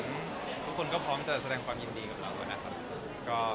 เหมือนทุกคนก็พร้อมจะแสดงความยินดีกับเราเอง